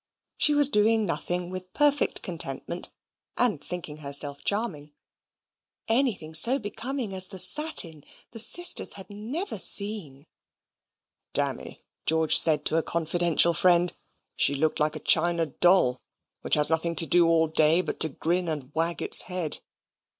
She was doing nothing with perfect contentment, and thinking herself charming. Anything so becoming as the satin the sisters had never seen. "Dammy," George said to a confidential friend, "she looked like a China doll, which has nothing to do all day but to grin and wag its head.